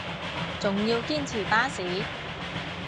仲要堅持巴士